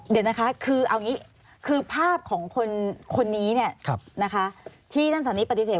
เดี๋ยวนะคะคือเอาอย่างนี้คือภาพของคนนี้ที่ท่านสันนิปฏิเสธ